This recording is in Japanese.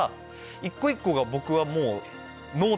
一個一個が僕はもう。